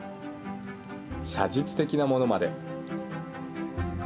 写実的なものまで。